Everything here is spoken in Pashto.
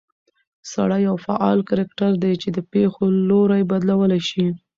سړى يو فعال کرکټر دى، چې د پېښو لورى بدلولى شي